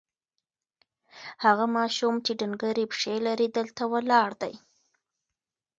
هغه ماشوم چې ډنګرې پښې لري، دلته ولاړ دی.